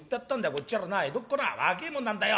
『こちとらな江戸っ子だ若えもんなんだよ。